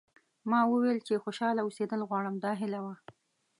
ما وویل چې خوشاله اوسېدل غواړم دا هیله وه.